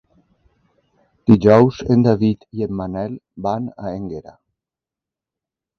Dijous en David i en Manel van a Énguera.